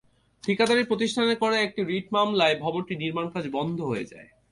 ঠিকাদারি প্রতিষ্ঠানের করা একটি রিট মামলায় ভবনটির নির্মাণকাজ বন্ধ হয়ে যায়।